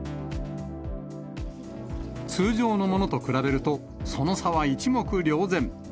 通常のものと比べると、その差は一目瞭然。